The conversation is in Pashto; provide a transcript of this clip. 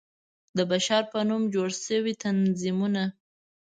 د بشر په نوم جوړ شوى تنظيمونه